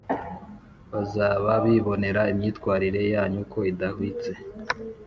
Bazaba bibonera imyifatire yanyu ko idahwitse